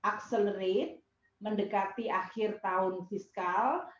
accelerate mendekati akhir tahun fiskal